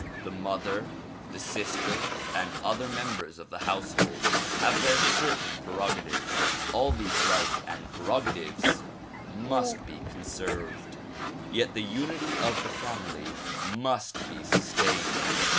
The mother, the sister and other members of the household have their certain prerogatives. All these rights and prerogatives must be conserved, yet the unity of the family must be sustained.